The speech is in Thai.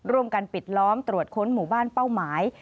ร่วมกันปิดล้อมตรวจค้นหมู่บ้านเป้าหมาย